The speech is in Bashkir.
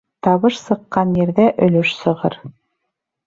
Табыш сыҡҡан ерҙә өлөш сығыр.